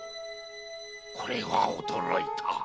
これは驚いた！